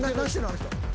あの人。